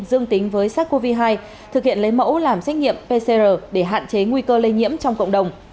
dương tính với sars cov hai thực hiện lấy mẫu làm xét nghiệm pcr để hạn chế nguy cơ lây nhiễm trong cộng đồng